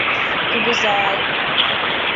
— Кугызай!